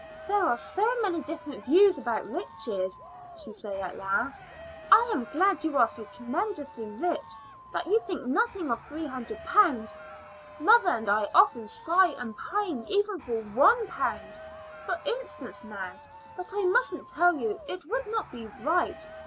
"There are so many different views about riches," she said at last. "I am glad you are so tremendously rich that you think nothing of three hundred pounds. Mother and I often sigh and pine even for one pound. For instance, now But I mustn't tell you; it would not be right.